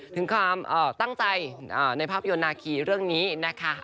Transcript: ถึงความตั้งใจในภาพยนตร์นาคีเรื่องนี้นะคะ